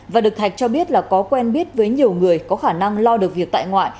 và được thạch cho biết là có quen biết với nhiều người có khả năng lo được việc tại ngoại